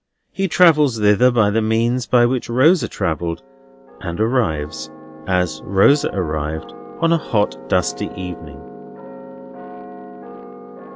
He travels thither by the means by which Rosa travelled, and arrives, as Rosa arrived, on a hot, dusty evening.